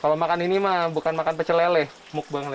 kalau makan ini mah bukan makan pecel lele mook banget